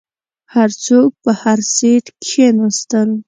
هر څوک په هر سیټ کښیناستل.